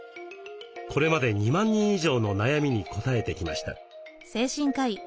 これまで２万人以上の悩みにこたえてきました。